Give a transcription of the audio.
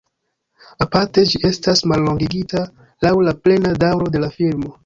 Aparte ĝi estas mallongigita laŭ la plena daŭro de la filmo.